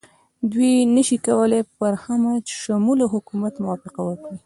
دوی نه شي کولای پر همه شموله حکومت موافقه وکړي.